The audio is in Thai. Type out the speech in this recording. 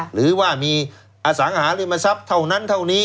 หรือว่ามีอสามหลุมศัพท์เท่านั้นเท่านี้